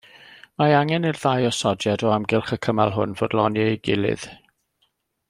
Mae angen i'r ddau osodiad o amgylch y cymal hwn fodloni ei gilydd.